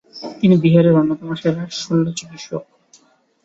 তিনি বিহারের অন্যতম সেরা শল্যচিকিৎসক।